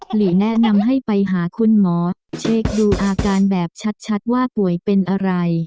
หรือแนะนำให้ไปหาคุณหมอเช็คดูอาการแบบชัดว่าป่วยเป็นอะไร